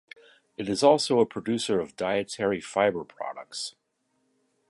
It is also a producer of dietary fibre products.